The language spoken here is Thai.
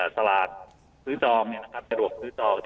สลากสื้อจองถ้ารวบสื้อจอง